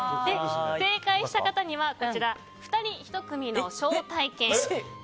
正解した方には２人１組の招待券。